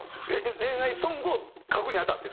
恋愛ソングを書くに当たって？